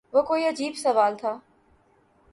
وہ کوئی عجیب سوال تھا